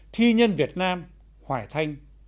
thi nhân việt nam hoài thanh